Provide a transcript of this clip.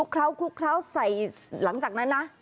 เคล้าใส่หลังจากนั้นนะ